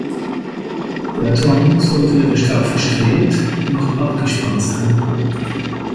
Der Turm sollte weder stark verstrebt noch abgespannt sein.